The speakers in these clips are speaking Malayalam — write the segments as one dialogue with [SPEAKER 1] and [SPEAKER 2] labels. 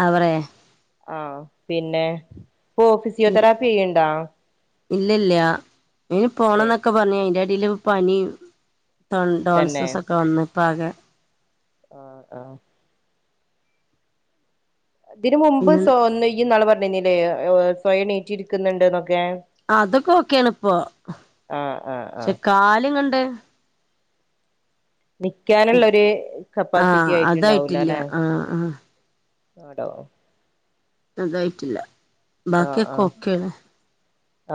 [SPEAKER 1] ആ പറയെ
[SPEAKER 2] ആഹ് പിന്നെ ഓ ഫിസിയോതെറാപ്പി ചെയ്യ്ണ്ടോ
[SPEAKER 1] ഇല്ലല്ലഅയിന്ന് പോണം
[SPEAKER 2] ഏഹ്
[SPEAKER 1] എന്നൊക്കെ പറഞ്ഞിനി അതിന്റെ ഇടയിൽ പനി
[SPEAKER 2] തന്നെ
[SPEAKER 1] ടോൺസസ് ഒക്കെ വന്ന് ഇപ്പോ ആകെ
[SPEAKER 2] ആഹ് ആഹ് ഇതിന് മുമ്പ്
[SPEAKER 1] പിന്നെ
[SPEAKER 2] സോ ഇയ്യ് ഇന്നാള് പറഞ്ഞിരുന്നില്ലേ സ്വയം എണിറ്റ് ഇരിക്കുന്നുണ്ട് എന്നൊക്കെ
[SPEAKER 1] അതൊക്കെ ഓക്കെയാണ് ഇപ്പൊ
[SPEAKER 2] ആഹ് ആഹ്
[SPEAKER 1] പക്ഷെ
[SPEAKER 2] ആഹ്
[SPEAKER 1] കാലും കണ്ട്
[SPEAKER 2] നിക്കാനുള്ള നരു കപ്പാസിറ്റി
[SPEAKER 1] ആഹ്
[SPEAKER 2] ആയിട്ടുണ്ടാവൂല്ലലെ
[SPEAKER 1] അതായിട്ടില്ല
[SPEAKER 2] അല്ലേ
[SPEAKER 1] ആഹ് ആഹ്
[SPEAKER 2] ആടോ
[SPEAKER 1] അതായിട്ടില്ല
[SPEAKER 2] ആഹ്
[SPEAKER 1] ബാക്കിയൊക്കെ
[SPEAKER 2] ആഹ്
[SPEAKER 1] ഓക്കെയാണ്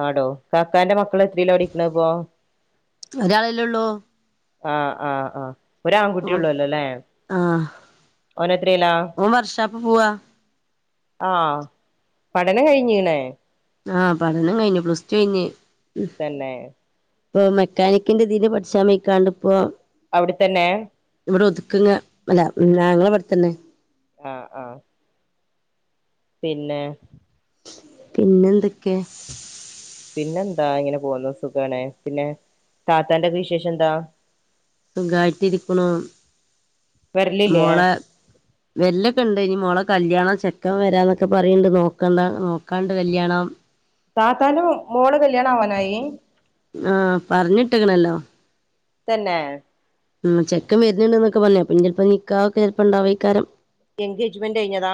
[SPEAKER 2] ആടോ കാക്കാന്റെ മക്കൾ എത്രയ്ലാ പഠിക്ക്ണം ഇപ്പോ
[SPEAKER 1] ഒരാളല്ലേ ഉള്ളൂ
[SPEAKER 2] ആഹ് ആഹ് ആഹ് ഒരു ആൺകുട്ടിയള്ളൂലലേ
[SPEAKER 1] ആഹ്
[SPEAKER 2] ഓൻ എത്രയിലാ
[SPEAKER 1] ഓൻ വർഷാപ്പ് പോവാ
[SPEAKER 2] ആഹ് പഠനം കഴിഞ്ഞീണ്
[SPEAKER 1] ആഹ് പഠനം കഴിഞ്ഞു പ്ലസ് ടു കഴിഞ്ഞ്
[SPEAKER 2] തന്നെ
[SPEAKER 1] ഇപ്പൊ മെക്കാനിക്കിന്റെ ഇതിൽ പഠിച്ചാൻ പോയിക്കാണ്ട് ഇപ്പോ
[SPEAKER 2] അവിടത്തന്നെ
[SPEAKER 1] ഇവിടെ ഒതുക്കങ്ങ അല്ല ഞങ്ങളെ ഇവിടെത്തന്നെ
[SPEAKER 2] ആഹ് ആഹ് പിന്നെ
[SPEAKER 1] പിന്നെ എന്തേക്കെ
[SPEAKER 2] പിന്നെന്താ ഇങ്ങനെ പോന്ന് സുഖാണ് പിന്നെ താത്താന്റെ ഒക്കെ വിശേഷം എന്താ
[SPEAKER 1] സുഖായിട്ട് ഇരിക്ക്ണു
[SPEAKER 2] വരലില്ലേ
[SPEAKER 1] മോളെ വെല്ലൊക്കെ ഇണ്ട് ഇനി മോളെ കല്യാണം ചെക്കൻ വരാന്നൊക്കെ പറയണ്ട് നോക്കണ്ട നോക്കാണ്ട് കല്ല്യാണം
[SPEAKER 2] താത്താന്റെ മോള് കല്യാണ ആവാനായി
[SPEAKER 1] ആഹ് പറഞ്ഞിട്ടെക്കണല്ലോ
[SPEAKER 2] തന്നെ
[SPEAKER 1] ഉം ചെക്കൻ വരുന്നുണ്ട് എന്നൊക്കെ പറഞ്ഞ പിന്നെ ഇപ്പോ നിക്കാ ഒക്കെ ചെലപ്പണ്ടാവ ഇക്കാരം
[SPEAKER 2] എൻഗേജ്മെന്റ് കയിഞ്ഞതാ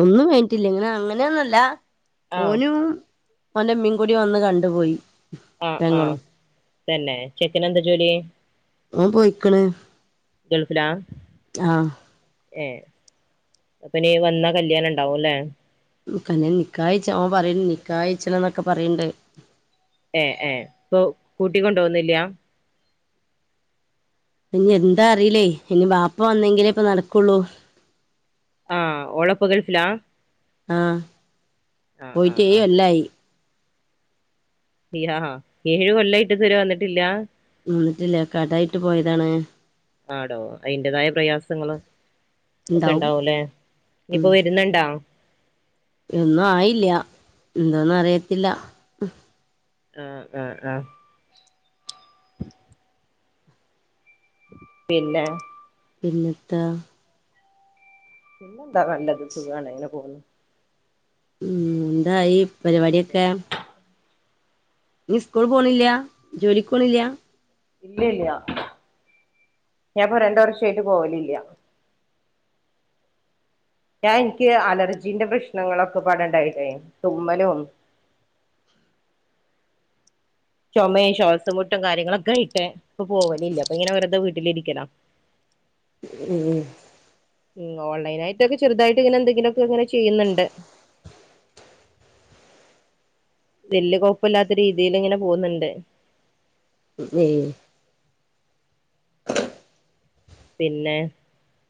[SPEAKER 1] ഒന്നും കഴിഞ്ഞിട്ടില്ല ഇങ്ങനെ അങ്ങനെയൊന്നല്ല
[SPEAKER 2] ആഹ്
[SPEAKER 1] ഓനും ഓന്റെ അമ്മേകൂടി വന്ന് കണ്ടുപോയി
[SPEAKER 2] ആഹ്
[SPEAKER 1] പെങ്ങളും
[SPEAKER 2] ആഹ് തന്നെ ചെക്കന് എന്താ ജോലി
[SPEAKER 1] ഓൻ പോയിക്കണ്
[SPEAKER 2] ഗൾഫില
[SPEAKER 1] ആഹ്
[SPEAKER 2] ഏഹ് അപ്പൊനി വന്നാ കല്യാണം ഇണ്ടാവുല്ലേ
[SPEAKER 1] കന്നെ നിക്കയിച്ച അവൻ പറയണ്ട് നിക്കഹയിച്ചണം ന്നൊക്കെ പറയണ്ട്
[SPEAKER 2] ഏഹ് ഏഹ് ഇപ്പൊ കൂട്ടിക്കൊണ്ട് പോന്നില്ല
[SPEAKER 1] ഇനി എന്താ അറിയില്ലേ ഇനി വാപ്പ വന്നെങ്കിലേ ഇപ്പ നടക്കോള്ളൂ
[SPEAKER 2] ആഹ് ഒള്ളുപ്പ ഗൾഫിലാ
[SPEAKER 1] ആഹ്
[SPEAKER 2] ആഹ് ആഹ്
[SPEAKER 1] പോയിട്ട്
[SPEAKER 2] ആഹ്
[SPEAKER 1] ഏഴോല്ലായി
[SPEAKER 2] ഹാ ഏഴ് കൊല്ലായിട്ട് ഇതരെ വന്നിട്ടില്ല
[SPEAKER 1] വന്നിട്ടില്ല കടായിട്ട് പോയതാണ്
[SPEAKER 2] ആടോ അതിന്റേതായ പ്രയാസങ്ങള് ഒക്കെ
[SPEAKER 1] ഉണ്ടാവും
[SPEAKER 2] ഒണ്ടാവുല്ലേ
[SPEAKER 1] ഉം
[SPEAKER 2] ഇനിയിപ്പോ വരുന്നൊണ്ടാ
[SPEAKER 1] ഒന്നും ആയില്ല എന്താന്നും അറിയത്തില്ല
[SPEAKER 2] ആഹ് ആഹ് ആഹ് പിന്നെ
[SPEAKER 1] പിന്നെത്ത
[SPEAKER 2] പിന്നെന്താ നല്ലത് സുഖാണ് ഇങ്ങനെ പോന്നു
[SPEAKER 1] ഉം എന്തായി
[SPEAKER 2] ഒരു മിനിറ്റ്
[SPEAKER 1] പരിപാടിയൊക്കെ നി സ്കൂളി പോണില്ല ജോലിക്ക് പോണില്ല
[SPEAKER 2] ഇല്ലല്ല ഞാപ്പൊ രണ്ട് വർഷായിട്ട് പോവല ഇല്ല ഞാൻ എനിക്ക് അലർജീന്റെ പ്രശ്നങ്ങളൊക്കെ പാടുണ്ടായിട്ടെയ് തുമ്മലും ചോമേം ശ്വാസമുട്ടും കാര്യങ്ങളൊക്കെ ആയിട്ടേ ഇപ്പ പോവലില്ല ഇപ്പൊ ഇങ്ങനെ വെറുതെ വീട്ടിലിരിക്കണം
[SPEAKER 1] ഉം
[SPEAKER 2] ഉം ഓൺലൈനായിട്ടൊക്കെ ചെറുതായിട്ട് ഇങ്ങനെന്തെങ്കിലും ഒക്കെ ഇങ്ങന ചെയുന്നുണ്ട് വല്യ കൊഴപ്പ ഇല്ലാത്ത രീതിയിൽ ഇങ്ങനെ പോന്നുണ്ട്
[SPEAKER 1] ഉം
[SPEAKER 2] പിന്നെ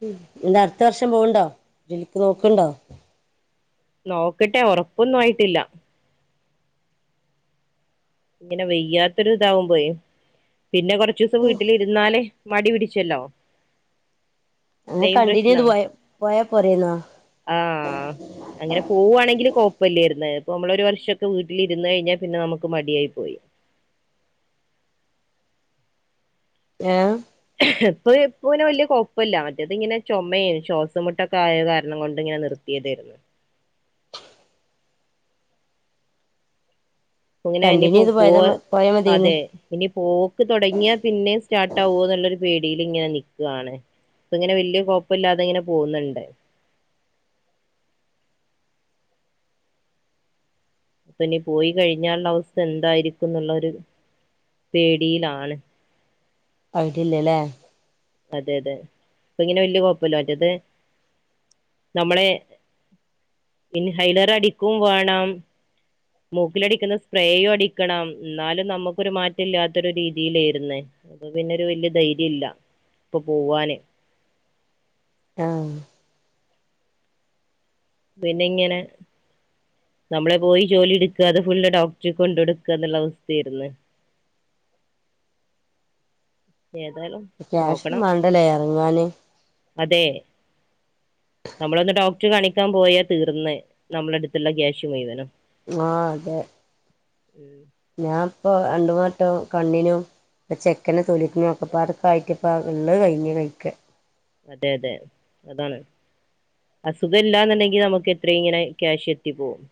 [SPEAKER 1] ഉം എന്താ അടുത്ത വർഷം പോവണ്ടോ ജോലിക്ക് നോക്കണ്ടോ
[SPEAKER 2] നോക്കട്ടെ ഒറപ്പൊന്നും ആയിട്ടില്ല ഇങ്ങനെ വെയ്യാത്തൊരു ഇതാവുമ്പൊയെ പിന്നെ കൊറച് ദിവസം വീട്ടില് ഇരുന്നാലേ മടി പിടിച്ചല്ലോ
[SPEAKER 1] അങ്ങനെ
[SPEAKER 2] ഇതേയും
[SPEAKER 1] കണ്ടിന്യൂ എയ്ത് പോയ പോയാ പോരേ ന്നോ?
[SPEAKER 2] ആഹ്‌ അങ്ങനെ പോവാണെങ്കിൽ കൊഴപ്പല്ല്യേര് ന്ന്. ഇപ്പമ്മള് ഒരു വർഷൊക്കെ വീട്ടിലി ര് ന്ന് കഴിഞ്ഞാൽ പിന്നെ നമ്മ ക്ക് മടിയായി പോയി.
[SPEAKER 1] ഏഹ്‌
[SPEAKER 2] ഇപ്പൊ ഇപ്പ പിന്നെ വല്ല്യ കൊപ്പല്ല്യ മറ്റേത് ഇങ്ങനെ ചുമയും ശ്വാസം മുട്ടൊക്കെ ആയ കാരണം കൊണ്ട് ഇങ്ങനെ നിർ തിയതേര്ന്ന് ഇങ്ങനെ
[SPEAKER 1] കണ്ടിന്യൂ
[SPEAKER 2] അനിപ്പോ
[SPEAKER 1] ചെയ്ത്
[SPEAKER 2] പോ
[SPEAKER 1] പോയത പോയാ മതിയേന്ന്
[SPEAKER 2] അതെ ഇനി പോക്ക് തുടങ്ങിയാൽ പിന്നേം സ്റ്റാർട്ടാവോ ന്നുള്ളൊരു പേടീല് ങ്ങനെ നിക്കുവാണ്. ഇപ്പ ങ്ങനെ വല്ല്യ കൊഴ് പ്പല്ലാതെ ങ്ങനെ പോവ്‌ണ്ട് അപ്പനി പോയി കഴിഞ്ഞാലുള്ള അവസ്ഥ എന്തായിരിക്കും ന്ന്ള്ളൊരു പേടിയിലാണ്.
[SPEAKER 1] ഐഡിയ ല്ല ലെ
[SPEAKER 2] അതെ അതെ പ്പൊ ങ്ങനെ വല്ല്യ കൊഴപ്പല്യാ മറ്റത്. നമ്മളെ ഇൻ ഹൈലർ അടിക്കും വേണം. മൂക്കിലടിക്കണ സ്പ്രേയും അടിക്കണം ന്നാലും നമ്മ ക്കൊരു മാറ്റം ഇല്ലാത്തൊരു രീതിയിലേ ര് ന്ന് അപ്പൊ പിന്നെരു വല്യ ധൈര്യല്ല ഇപ്പൊ പോവാന്.
[SPEAKER 1] ആഹ്‌.
[SPEAKER 2] പിന്നെ ങ്ങനെ. നമ്മള് പോയി ജോലി ട്ക്ക അത് ഫുള്ള് ഡോക്ടർക്ക് കൊണ്ട കൊടുക്കന്നുള്ള അവസ്ഥേ ര് ന്ന്. ഏതായാലും.
[SPEAKER 1] ക്യാഷും
[SPEAKER 2] നോക്കണം
[SPEAKER 1] മാണ്ടലേ എർങ്ങാന്.
[SPEAKER 2] അതെ. നമ്മളൊന്ന് ഡോക്ടറേ കാണിക്കാൻ പോയാ തീർന്ന് നമ്മളെ അടുത്തുള്ള ക്യാഷ് മുഴുവനും.
[SPEAKER 1] ആഹ്‌ അതെ.
[SPEAKER 2] ഉം
[SPEAKER 1] ഞാൻ പ്പൊ രണ്ട് മൂന്നട്ടം കണ്ണിനും. ഇപ്പ ചെക്കനെ തൊലിക്കുന്ന ഒക്കപാടെക്കയിട്ട് ഇപ്പ ള്ളഹ് കഴിഞ്ഞ് കഴിക്ക
[SPEAKER 2] അതെ അതെ അതാണ് അസുഖം ഇല്ല ന്നുണ്ടെങ്കി നമുക്ക് എത്രയും ഇങ്ങനെ ക്യാഷ് എത്തി പോകും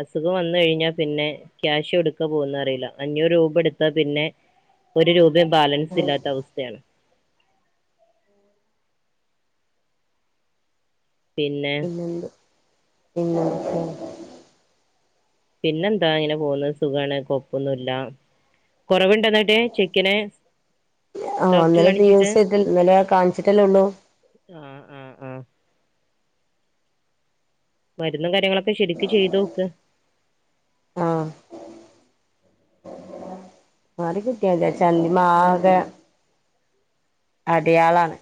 [SPEAKER 2] അസുഖം വന്ന് കഴിഞ്ഞാ പിന്നെ. ക്യാഷ് എവ്ട്ക്കാ പോവ്വാന്ന് അറീല അഞ്ഞൂറ് രൂപ ട്ത്താ പിന്നെ. ഒരു രൂപയും ബാലൻസ് ഇല്ലാത്ത അവസ്ഥയാണ്. പിന്നെ
[SPEAKER 1] പിന്നെന്ത്‌ ഉം
[SPEAKER 2] പിന്നെന്താ ങ്ങനെ പോക്ന്ന് സുഖാണ് കൊയ്പ്പൊന്നുല്ല. കൊറവ്ണ്ടോ ന്നട്ട് ചെക്കന്?
[SPEAKER 1] ആഹ്
[SPEAKER 2] ഡോക്ടർ
[SPEAKER 1] ന്നലെ
[SPEAKER 2] കാണിച്ചിട്ട്
[SPEAKER 1] ബിയൂസി ആയിട്ട് ഇന്നലെ കാൺച്ച്ട്ടല്ലേ ഉള്ളൂ.
[SPEAKER 2] ആഹ്‌ ആഹ്‌ ആഹ്‌ മരുന്നും കാര്യങ്ങളൊക്കെ ശെരിക്ക് ചെയ്തോക്ക്.
[SPEAKER 1] ആഹ് മാറി ക്കിട്ട്യാ മതി ചന്തിമ്മേ ആകെ. അടിയാളാണ്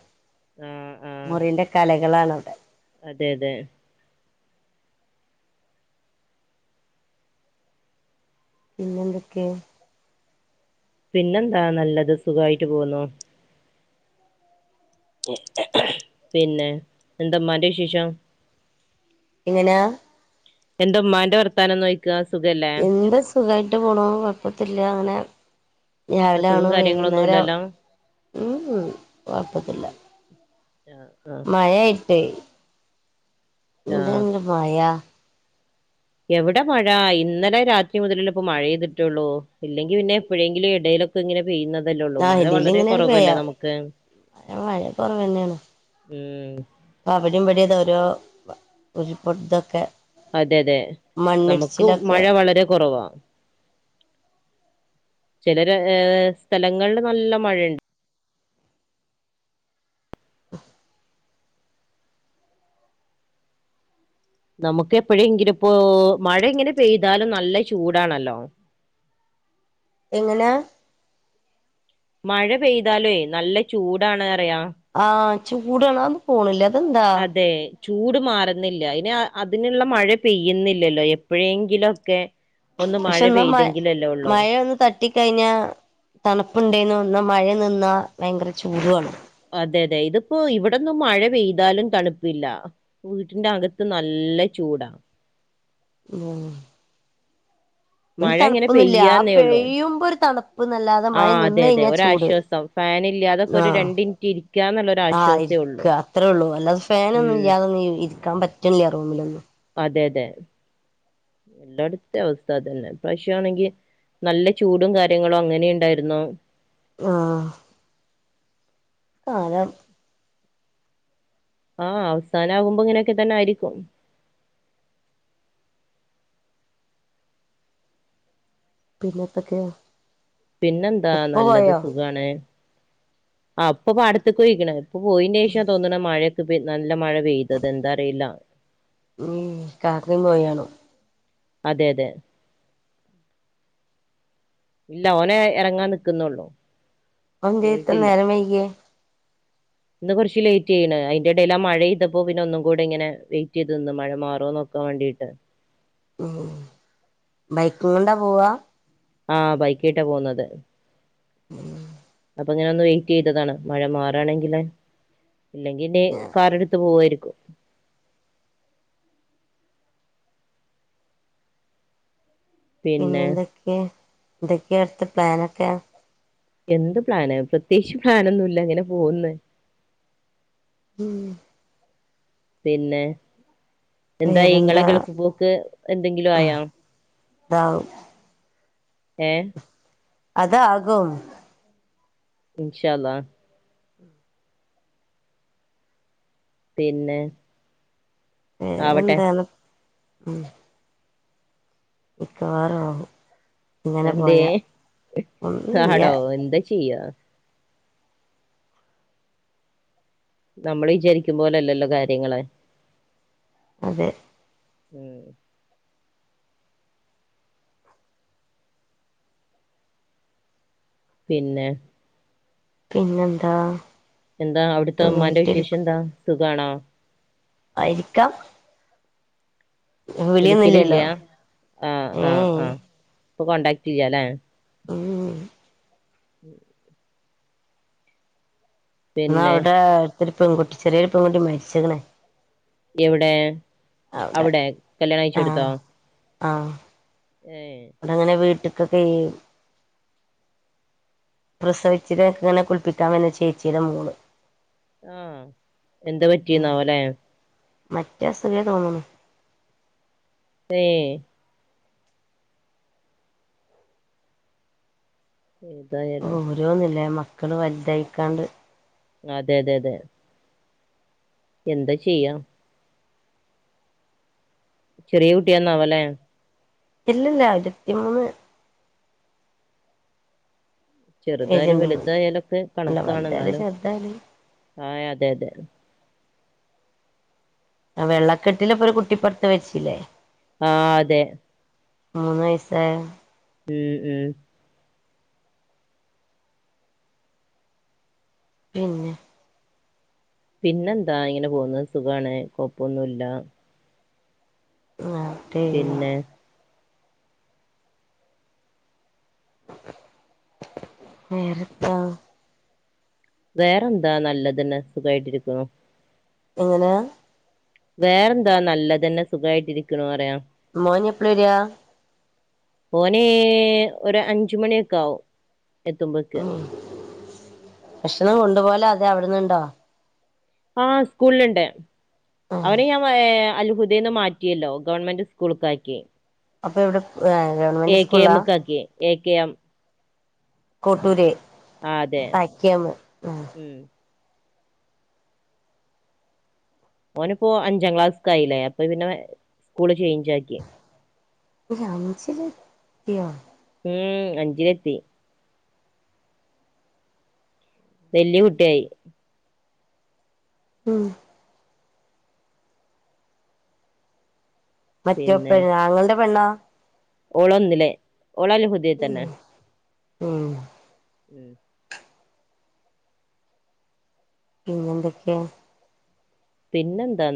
[SPEAKER 2] ആഹ് ആഹ്
[SPEAKER 1] മുറിന്റെ കലകളാണ് ഔടെ.
[SPEAKER 2] അതെ അതെ
[SPEAKER 1] പിന്നെന്തൊക്കെ?
[SPEAKER 2] പിന്നെന്താ നല്ലത് സുഖായിട്ട് പോവുന്നു. പിന്നെ എന്താ മ്മാന്റെ വിശേഷം?
[SPEAKER 1] എങ്ങനാ?
[SPEAKER 2] എന്താ മ്മാന്റെ വർത്താനം ന്നോയ്ക്കാ ക്കാ സുഖല്ലേ?
[SPEAKER 1] എന്താ സുഖായിട്ട് പോണു കൊയ് പ്പെതുല്യ ങ്ങനെ. രാവിലെ
[SPEAKER 2] അസുഖം
[SPEAKER 1] ആണു വൈകുന്നേരം
[SPEAKER 2] കാര്യങ്ങളൊന്നുല്ലല്ലോ
[SPEAKER 1] ഉം ഉം കൊഴപ്പൊന്നില്ല
[SPEAKER 2] ആഹ് ആഹ്
[SPEAKER 1] മയായിട്ടേയ്
[SPEAKER 2] ആഹ്
[SPEAKER 1] എന്താന്നെ മയാ
[SPEAKER 2] എവിടെ മഴ ഇന്നലെ രാത്രി മുതലല്ലെ ഇപ്പോ മഴെയ്തിട്ടുള്ളൂ ഇല്ലെങ്കി പിന്നെ എപ്പോഴെങ്കിലും ഇടയിലൊക്കെ ഇങ്ങനെ പെയ്യുന്നതല്ലേള്ളൂ
[SPEAKER 1] ആഹ്
[SPEAKER 2] മഴ വളരെ
[SPEAKER 1] ഇതിലിങ്ങനെ ഒരു
[SPEAKER 2] കുറവല്ലേ
[SPEAKER 1] പെയ്യ
[SPEAKER 2] നമുക്ക്
[SPEAKER 1] മഴ കുറവന്നെയാണ്
[SPEAKER 2] ഉം
[SPEAKER 1] അവിടെയും ഇവിടേം താ ഓരോ ഉരുൾപ്പട് തൊക്കെ
[SPEAKER 2] അതെ അതെ നമുക്കും മഴ വളരെ കുറവാ ചിലര് ഏ സ്ഥലങ്ങളിൽ നല്ല മഴയുണ്ട്
[SPEAKER 1] [inaudible]
[SPEAKER 2] നമുക്ക് എപ്പോഴെങ്കിലും ഇപ്പൊ മഴ ഇങ്ങനെ പെയ്താലും നല്ല ചൂടാണല്ലോ
[SPEAKER 1] എങ്ങനെ
[SPEAKER 2] മഴ പെയ്താലു നല്ല ചൂടണ് പറയാ
[SPEAKER 1] ആഹ് ചൂടണ പോണില്ല അതെന്താ?
[SPEAKER 2] അതെ ചൂട് മാറുന്നില്ല അയിന് അതിനുള്ള മഴ പെയ്യുന്നില്ലല്ലോ എപ്പഴെങ്കിലൊക്കെ ഒന്ന് മഴ പെയ്തെങ്കിലല്ലോള്ളൂ
[SPEAKER 1] കട്ടിക്കഴിഞ്ഞ തണുപ്പുണ്ടെന്ന് ഒന്ന് മഴ നിന്നാ ഭയങ്കര ചൂടുാണ്
[SPEAKER 2] അതെ അതെ ഇതിപ്പോ ഇവിടന്നും മഴ പെയ്താലും തണുപ്പില്ല വീട്ടിന്റെ അകത്ത് നല്ല ചൂടാ
[SPEAKER 1] ഉം ഒരു
[SPEAKER 2] മഴ ഇങ്ങനെ
[SPEAKER 1] തണുപ്പൊന്നുംല്ല ആ
[SPEAKER 2] പെയ്യാന്നേ ഉള്ളൂ
[SPEAKER 1] പെയഴ്യുമ്പൊ ഒരു തണുപ്പ്ന്നല്ലാതെ
[SPEAKER 2] ആ അതെ അതെ
[SPEAKER 1] മയനിന്നയിഞ്ഞാ ചൂട്
[SPEAKER 2] ഒരാശ്വാസം ഫാൻ ഇല്ലാതൊക്കെ ഒരു
[SPEAKER 1] ആഹ
[SPEAKER 2] രണ്ട് മിനിറ്റ് ഇരിക്കാന്നുള്ള ഒരു
[SPEAKER 1] ആ്
[SPEAKER 2] ആശ്വാസേ
[SPEAKER 1] ഇരിക്ക
[SPEAKER 2] ഉള്ളൂ
[SPEAKER 1] അത്രേ ഉള്ളൂ അല്ലാതെ
[SPEAKER 2] ഉം
[SPEAKER 1] ഫാനൊന്നുല്ലാതൊന്ന ഇ നിക്കാൻ പറ്റില്ല്യ റൂമിലൊന്നും
[SPEAKER 2] അതെ അതെ എല്ലായിടത്തെ അവസ്ഥ തന്നെ പക്ഷെയാണെങ്കിൽ നല്ല ചൂടും കാര്യങ്ങളും അങ്ങനെ ഇണ്ടായിരുന്നോ
[SPEAKER 1] ആ കാല
[SPEAKER 2] ആഹ അവസാനകുമ്പോ ഇങ്ങനെയൊക്കെ തന്നെ ആയിരിക്കും
[SPEAKER 1] പിന്നെന്തൊക്കെയാ?
[SPEAKER 2] പിന്നെന്താ നല്ലത് സുഖാണ് ആ ഉപ്പ പാടത്ത്ക്കോയിക്കണ് ഉപ്പ പോയിന്റെഷാ തോന്നണ് മഴയൊക്കെ പെര്ന്നാൾൻ്റ നല്ല മഴ പെയ്തത് എന്താ അറിയില്ല
[SPEAKER 1] ഉം കാക്കും പോയാണ്
[SPEAKER 2] അതെ അതെ ഇല്ല ഓനെ ഇറങ്ങാൻ നിക്കുന്നുള്ളൂ
[SPEAKER 1] ആന്തേ ഇത്ര
[SPEAKER 2] പോയിട്ടില്ല
[SPEAKER 1] നേരം വൈകിയേ
[SPEAKER 2] [inaudible] ഇന്ന് കുറച്ച് ലേറ്റേയ്ണ് അയിൻ്റെടെല് ആ മഴെയ്തപ്പോ പിന്നെ ഒന്നൂടിങ്ങനെ വെ്റ്റ് ചെയ്ത് നിന്ന് മഴ മാറോ നോ ക്കാ വേണ്ടീയിട്ട്
[SPEAKER 1] ഉം ബൈക്കും കൊണ്ടാ പോവാ
[SPEAKER 2] ആഹ ബൈക്കായിട്ടാ പോവുന്നത്
[SPEAKER 1] ഉം
[SPEAKER 2] അപ്പൊ ഇങ്ങനെ ഒന്ന് വെയിറ്റെയ്തതാണ് മഴ മാറാണെങ്കില് ഇല്ലെങ്കില് കാർടു ത്ത് പോവേര്ക്കും പിന്നെ
[SPEAKER 1] പിന്നെന്തൊക്കെയ എന്തൊക്കെയ അടുത്ത പ്ലാനൊക്കെ
[SPEAKER 2] എന്ത് പ്ലാന് പ്രത്യേകിച്ച് പ്ലാനൊന്നുല്ല അങ്ങനെ പോകന്ന്
[SPEAKER 1] ഉം
[SPEAKER 2] പിന്നെ എന്തായീ ഇങ്ങളെ
[SPEAKER 1] വേറെന്താ
[SPEAKER 2] ഗൾഫ് പോക്ക് എന്തെങ്കിലു
[SPEAKER 1] ആ
[SPEAKER 2] ആയാ?
[SPEAKER 1] ഇതാവും
[SPEAKER 2] ഏഹ്?
[SPEAKER 1] അതാകും.
[SPEAKER 2] ഇൻഷാള്ളാ. പിന്നെ ആവട്ടെ
[SPEAKER 1] വേറെന്താന്ന് ഉം. മിക്കവാറും ആവും ഇങ്ങനെ
[SPEAKER 2] എന്തേ
[SPEAKER 1] പോയാ ഒന്ന്ല്ല്യാ
[SPEAKER 2] ആടോ എന്താ ചെയ്യാ? നമ്മള് വിചാരിക്കും പോലല്ലല്ലോ കാര്യങ്ങള്.
[SPEAKER 1] അതെ.
[SPEAKER 2] ഉം. പിന്നെ.
[SPEAKER 1] പിന്നെന്താ?
[SPEAKER 2] എന്താ അവ്ട്ത്തെ ഉമ്മാന്റെ
[SPEAKER 1] സുഖായിട്ടിരിക്കും
[SPEAKER 2] വിശേഷെന്താ സുഖാണോ?
[SPEAKER 1] ആയിര്ക്കാം. വിളിയൊന്നുമില്ലല്ലോ
[SPEAKER 2] വിളിക്കലില്ല്യാ ആഹ്
[SPEAKER 1] ഏ
[SPEAKER 2] ആഹ് ആഹ് ഇപ്പൊ കോണ്ടാക്ടില്ല്യലേ
[SPEAKER 1] ഉം ഉം.
[SPEAKER 2] [inaudible]
[SPEAKER 1] ന്ന്
[SPEAKER 2] പിന്നെ
[SPEAKER 1] അവിടെ അടുത്തൊര് പെങ്കുട്ടി ചെറിയൊര് പെങ്കുട്ടി മര്ച്ച്ക്ക്ണ്.
[SPEAKER 2] എവ്ടേ
[SPEAKER 1] അവിടെ
[SPEAKER 2] അവ്ടേ
[SPEAKER 1] ആഹ്
[SPEAKER 2] കല്യാണഴ്ച്ചോട്ത്തോ?
[SPEAKER 1] ആഹ്.
[SPEAKER 2] ഏഹ്.
[SPEAKER 1] അങ്ങനെ വീട്ട്ക്കൊക്കെയ് പ്രസവിച്ചിട്ങ്ങനെ കുളിപ്പിക്കാ വെര്ന ചേച്ചീടെ മോള്.
[SPEAKER 2] ആഹ് എന്താ പറ്റിന്നാവോലെ.
[SPEAKER 1] മറ്റേ അസുഖേ തോന്ന്ണ്.
[SPEAKER 2] ഏഹ്. ഏതായാലും.
[SPEAKER 1] ന്ന്ലേ മക്കള് വലുതായിക്കാണ്ട്.
[SPEAKER 2] അതേ അതേ അതേ. എന്താ ചെയ്യാ? ചെറിയകുട്ടിന്നാവൊലെ.
[SPEAKER 1] ഇല്ലല്ല ഇരത്തി മൂന്ന്.
[SPEAKER 2] ചെറ്തായാലും
[SPEAKER 1] ഏജുണ്ടോന്നുണ്ട്
[SPEAKER 2] വല്തായാലൊക്കെ
[SPEAKER 1] അല്ല വലുതായാലും
[SPEAKER 2] കണക്കാണ്ന്നാലും
[SPEAKER 1] ചെറുതായാലും
[SPEAKER 2] ആയ് അതെ അതെ.
[SPEAKER 1] വെള്ളക്കെട്ടിലിപ്പൊര് കുട്ടിപ്പട്ത്ത് മര്ച്ചില്ലേ.
[SPEAKER 2] ആഹ് അതെ.
[SPEAKER 1] മുന്ന് വയ്സായെ
[SPEAKER 2] ഉം ഉം.
[SPEAKER 1] പിന്നെ.
[SPEAKER 2] പിന്നെന്താങ്ങനെ പോക്ന്ന് സുഖാണ് കൊപ്പൊന്നുല്ലാ.
[SPEAKER 1] ആഹ്
[SPEAKER 2] പിന്നെ
[SPEAKER 1] വേറെത്താ
[SPEAKER 2] വേറെന്താ നല്ലതെന്നെ സുഖായിട്ടിരിക്ക്ണൂ.
[SPEAKER 1] എങ്ങനേ?
[SPEAKER 2] വേറെന്താ നല്ലതന്നെ സുഖായിട്ടിരിക്ക്ണൂറയാ.
[SPEAKER 1] മോന്ഞ്ഞ് എപ്പളേര്വാ.
[SPEAKER 2] ഓന് ഒര് അഞ്ച് മണി ഒക്കാവും.
[SPEAKER 1] ഉം ഭക്ഷണം കൊണ്ട്പോല അതെ അവ്ട്ന്ന്ണ്ടോ?
[SPEAKER 2] ആഹ് സ്കൂളില്ണ്ട് അവന് ഞാൻ അല് ഇതീന്ന് മാറ്റിയല്ലോ ഗവൺമെന്റ് സ്കൂൾക്കാക്കി.
[SPEAKER 1] അപ്പൊ എവിടെ ഏ
[SPEAKER 2] എ
[SPEAKER 1] ഗവൺമെന്റ്
[SPEAKER 2] കെ
[SPEAKER 1] സ്കൂളാ.
[SPEAKER 2] എമ്മുക്കാക്കി എ കെ എം.
[SPEAKER 1] കോട്ടൂര്
[SPEAKER 2] ആ അതെ
[SPEAKER 1] എ കെ എം.
[SPEAKER 2] ഉം ഓനിപ്പോ അഞ്ചാം ക്ലാസ് ക്കായില്ലേ അപ്പൊ പിന്നെ സ്കൂള് ചേഞ്ച് ആക്കി.
[SPEAKER 1] അഞ്ചിലത്തിയോ?
[SPEAKER 2] ഉംഹ് അഞ്ചിലെത്തി. വല്ല്യ കുട്ടിയായി.
[SPEAKER 1] ഉംഹ്. മറ്റേ പെണ് ആങ്ങൾന്റെ പെണ്ണാേ?
[SPEAKER 2] ഓൾ ഒന്നിൽ ഓൾ അൽഹു.
[SPEAKER 1] ഉംഹ്.
[SPEAKER 2] ഉംഹ്.
[SPEAKER 1] പിന്നെന്തൊക്കെ?
[SPEAKER 2] പിന്നെന്താന്ന്.